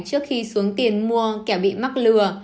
trước khi xuống tiền mua kẻ bị mắc lừa